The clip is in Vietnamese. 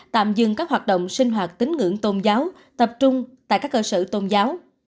tạm dừng các hoạt động sinh hoạt tín ngưỡng tôn giáo tập trung tại các cơ sở tôn giáo